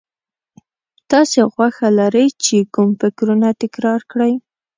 تاسې خوښه لرئ چې کوم فکرونه تکرار کړئ.